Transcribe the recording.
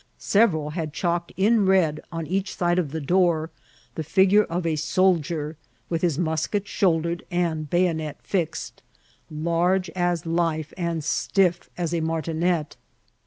Seyeral had chalked in red on each aide of the door the figure of a aoldier, with his musket shouldered and bayonet fixed, large as life and stiff as a martinet.